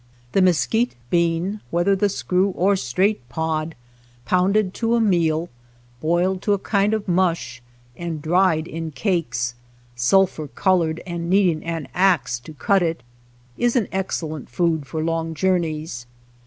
The mesquite bean, whether the screw or straight pod, pounded to a meal, boiled to a kind of mush, and dried in cakes, sulphur colored and needing an axe to cut it, is an excellent food for long jour neys.